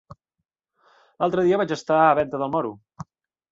L'altre dia vaig estar a Venta del Moro.